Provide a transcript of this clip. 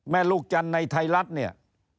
แม่ลูกจันในไทรรัฐเนี่ย